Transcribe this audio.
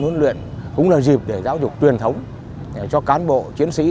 huấn luyện cũng là dịp để giáo dục truyền thống cho cán bộ chiến sĩ